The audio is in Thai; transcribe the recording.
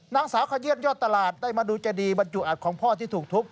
นางสาวขยื่นยอดตลาดได้มาดูเจดีบรรจุอัดของพ่อที่ถูกทุบ